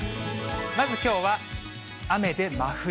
まずきょうは、雨で真冬。